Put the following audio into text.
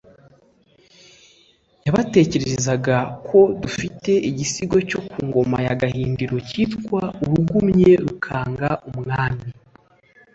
y’abatekererezaga ko dufite igisigo cyo ku ngoma ya gahindiro cyitwa urugumye rukanga umwami